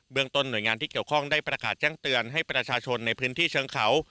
ต้นหน่วยงานที่เกี่ยวข้องได้ประกาศแจ้งเตือนให้ประชาชนในพื้นที่เชิงเขา